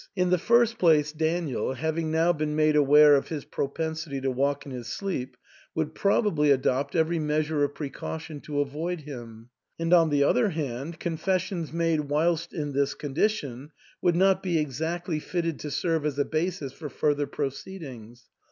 In the first place, Daniel, having now been made aware of his propensity to walk in his sleep, would probably adopt every measure of precaution to avoid him ; and on the other hand, con fessions made whilst in this condition would not be ex actly fitted to serve as a basis for further proceedings.